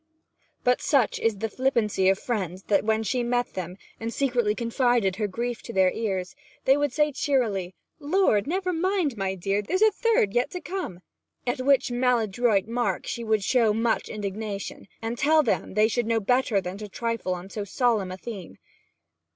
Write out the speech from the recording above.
But such is the flippancy of friends that when she met them, and secretly confided her grief to their ears, they would say cheerily, 'Lord, never mind, my dear; there's a third to come yet!' at which maladroit remark she would show much indignation, and tell them they should know better than to trifle on so solemn a theme.